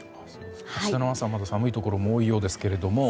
明日の朝はまだ寒いところも多いようですけれども。